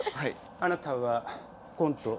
あなたはコント